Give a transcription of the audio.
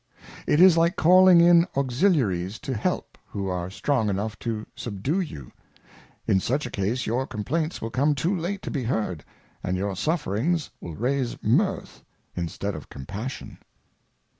It is like calling in Auxiliaries to help, who are strong enough to subdue you : In such a case your Complaints will come too late to be heard, and your Sufferings will raise Mirth instead of Compassion.